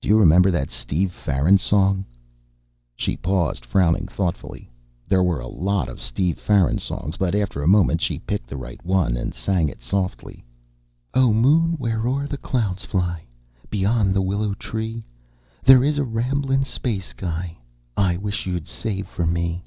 "Do you remember that Steve Farran song?" She paused, frowning thoughtfully. There were a lot of Steve Farran songs, but after a moment she picked the right one, and sang it softly ... "O moon whereo'er the clouds fly, Beyond the willow tree, There is a ramblin' space guy I wish you'd save for me.